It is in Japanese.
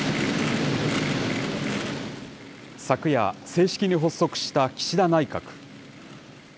昨夜、正式に発足した岸田内閣。